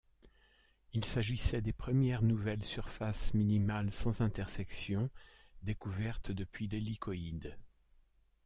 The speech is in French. Il s'agissait des premières nouvelles surfaces minimales sans intersection découvertes depuis l'hélicoïde.